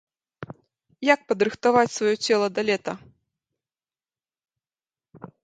Як падрыхтаваць сваё цела да лета?